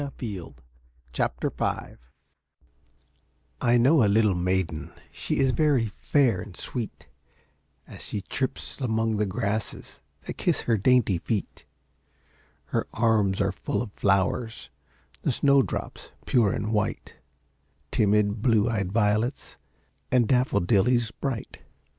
A Child of Spring I know a little maiden, She is very fair and sweet, As she trips among the grasses That kiss her dainty feet; Her arms are full of flowers, The snow drops, pure and white, Timid blue eyed violets, And daffodillies bright.